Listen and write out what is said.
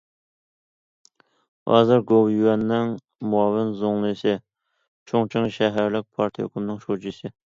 ھازىر گوۋۇيۈەننىڭ مۇئاۋىن زۇڭلىسى، چۇڭچىڭ شەھەرلىك پارتكومنىڭ شۇجىسى.